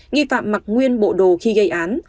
nghị phạm mặc nguyên bộ đồ khi gây án